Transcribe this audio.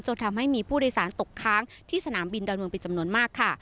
ทำให้มีผู้โดยสารตกค้างที่สนามบินดอนเมืองเป็นจำนวนมากค่ะ